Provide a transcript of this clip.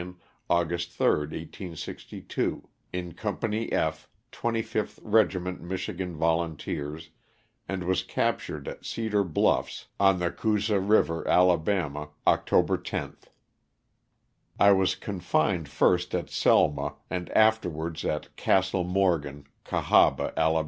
August 3, 1862, in Com pany F, 25th Eegiment Michigan Volunteers, and was captured at Cedar BluJffs, on the Coosa river, Ala. October 10th. I was confined first at Selma, and after wards at Castle Morgan, Cahaba, Ala.